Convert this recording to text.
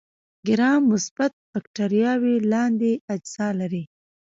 ګرام مثبت بکټریاوې لاندې اجزا لري.